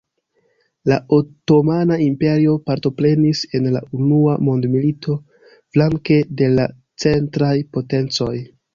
La Otomana Imperio partoprenis en la Unua Mondmilito flanke de la Centraj potencoj.